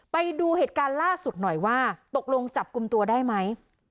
ไปดูเหตุการณ์ล่าสุดหน่อยว่าตกลงจับกลุ่มตัวได้ไหม